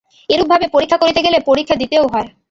এরূপ ভাবে পরীক্ষা করিতে গেলে পরীক্ষা দিতেও হয়।